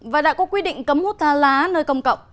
và đã có quy định cấm hút tha lá nơi công cộng